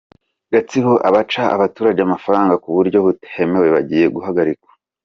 Gatsibo Abaca abaturage amafaranga ku buryo butemewe bagiye guhagurukirwa